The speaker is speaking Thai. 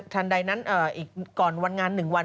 ทันใดนั้นอีกก่อนวันงาน๑วัน